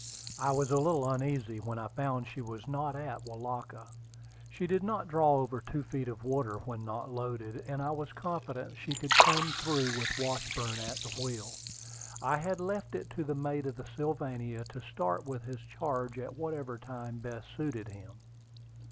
I was a little uneasy when I found she was not at Welaka. She did not draw over two feet of water when not loaded, and I was confident she could come through with Washburn at the wheel. I had left it to the mate of the Sylvania to start with his charge at whatever time best suited him.